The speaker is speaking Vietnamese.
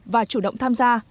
và chủ động tham gia